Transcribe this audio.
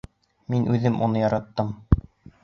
Мин үҙем уны яраттым!